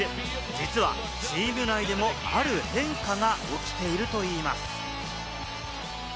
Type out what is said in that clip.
実はチーム内でもある変化が起きているといいます。